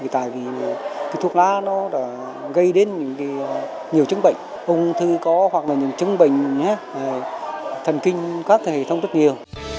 tại vì thuốc lá nó gây đến nhiều chứng bệnh ung thư có hoặc là những chứng bệnh thần kinh các thể thông rất nhiều